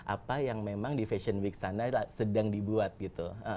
apa yang memang di fashion week sana sedang dibuat gitu